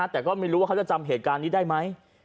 แต่ก็ไม่รู้ว่าเขาจะจำเหตุการณ์นี้ได้ไหม